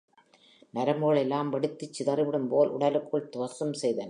நரம்புகள் எல்லாம் வெடித்துச் சிதறி விடும்போல் உடலுக்குள் துவம்சம் செய்தன.